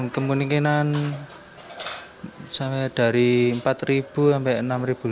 kemungkinan sampai dari rp empat sampai rp enam